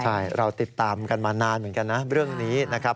ใช่เราติดตามกันมานานเหมือนกันนะเรื่องนี้นะครับ